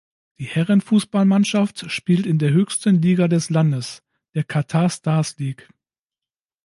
Die Herren-Fußballmannschaft spielt in der höchsten Liga des Landes, der Qatar Stars League.